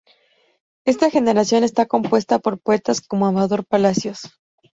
Esta Generación está compuesta por poetas como Amador Palacios.